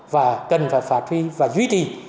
và cần phải phát huy và duy trì